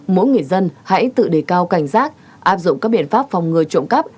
mỗi người dân hãy tự đề cao cảnh giác áp dụng các biện pháp phòng ngừa trộm cắp